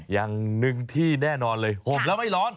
อย่างหนึ่งที่แน่นอนเลยห่มแล้วไม่ร้อน